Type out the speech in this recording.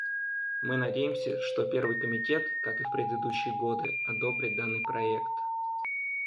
Мы надеемся, что Первый комитет, как и в предыдущие годы, одобрит данный проект.